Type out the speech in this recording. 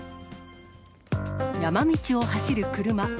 山道を走る車。